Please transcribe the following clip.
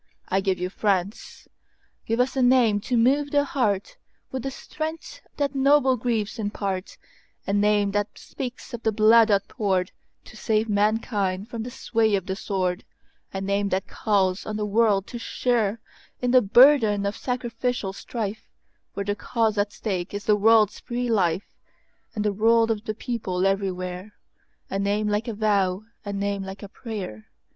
I give you France! Give us a name to move the heartWith the strength that noble griefs impart,A name that speaks of the blood outpouredTo save mankind from the sway of the sword,—A name that calls on the world to shareIn the burden of sacrificial strifeWhere the cause at stake is the world's free lifeAnd the rule of the people everywhere,—A name like a vow, a name like a prayer.